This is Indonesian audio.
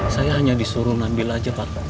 saya hanya disuruh ngambil aja pak